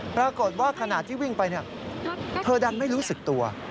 ปรากฏว่าขณะที่วิ่งไปเธอดันไม่รู้สึกตัว